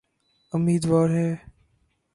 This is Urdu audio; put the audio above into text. امیدوار ہے۔